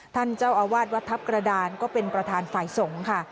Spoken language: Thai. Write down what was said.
ท่านเจ้าอาวาสวัดทัพกระดานก็เป็นประธานฝ่ายสงฆ์ค่ะ